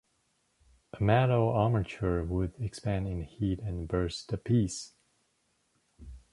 A metal armature would expand in the heat and burst the piece.